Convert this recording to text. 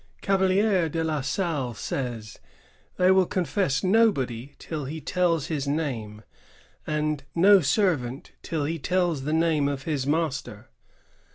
Cavelier de la Salle says: "They will confess nobody till he tells his name, and no servant till he tells the name of his master.